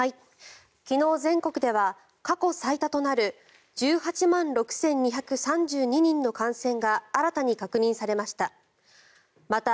昨日、全国では過去最多となる１８万６２３２人の感染が新たに確認されました。